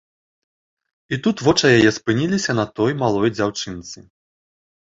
І тут вочы яе спыніліся на той малой дзяўчынцы.